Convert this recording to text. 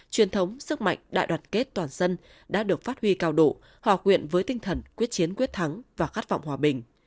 truyền thống sức mạnh đại đoàn kết toàn dân đã được phát huy cao độ hòa quyện với tinh thần quyết chiến quyết thắng và khát vọng hòa bình